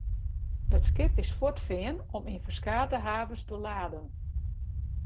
It skip is fuortfearn om yn ferskate havens te laden.